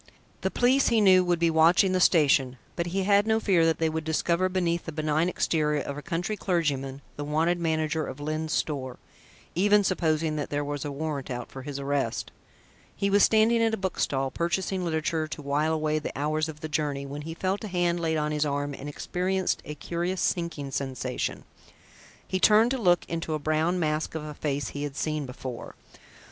The police, he knew, would be watching the station, but he had no fear that they would discover beneath the benign exterior of a country clergyman, the wanted manager of Lyne's Store, even supposing that there was a warrant out for his arrest. He was standing at a bookstall, purchasing literature to while away the hours of the journey, when he felt a hand laid on his arm and experienced a curious sinking sensation. He turned to look into a brown mask of a face he had seen before.